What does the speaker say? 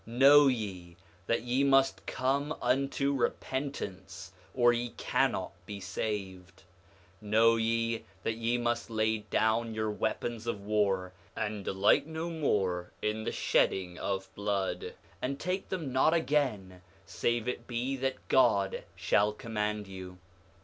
7:3 Know ye that ye must come unto repentance, or ye cannot be saved. 7:4 Know ye that ye must lay down your weapons of war, and delight no more in the shedding of blood, and take them not again, save it be that God shall command you.